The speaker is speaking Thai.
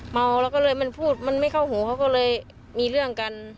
เมาแล้วก็เลยมันพูดมันไม่เข้าหูเขาก็เลยมีเรื่องกัน